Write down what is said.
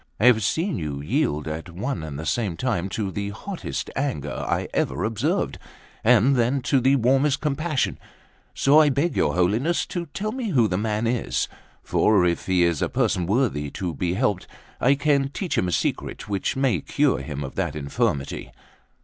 I have seen you yield at one and the same time to the hottest anger I ever observed, and then to the warmest compassion; so I beg your Holiness to tell me who the man is; for if he is a person worthy to be helped, I can teach him a secret which may cure him of that infirmity."